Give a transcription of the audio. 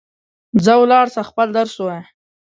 ځه ولاړ سه ، خپل درس ووایه